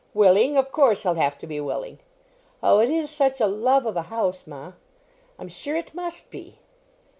"Willing! Of course, he'll have to be willing." "Oh, it is such a love of a house, ma!" "I'm sure it must be."